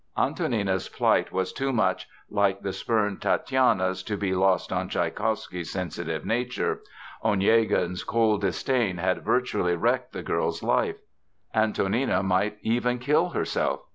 Antonina's plight was too much like the spurned Tatiana's to be lost on Tschaikowsky's sensitive nature. Onegin's cold disdain had virtually wrecked the girl's life. Antonina might even kill herself.